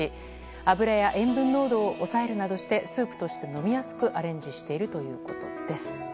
脂や塩分濃度を抑えるなどスープとして飲みやすくアレンジしているということです。